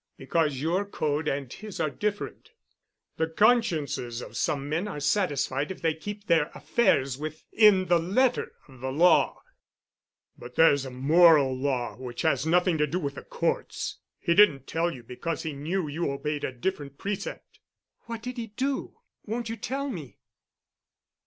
Because your code and his are different. The consciences of some men are satisfied if they keep their affairs within the letter of the law. But there's a moral law which has nothing to do with the courts. He didn't tell you because he knew you obeyed a different precept." "What did he do? Won't you tell me?"